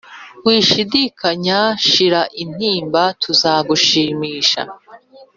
Wishidikanya shira intimba tuzagushimisha